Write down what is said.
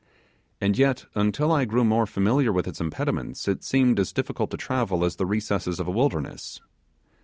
And yet, until I grew more familiar with its impediments, it seemed as difficult to travel as the recesses of a wilderness.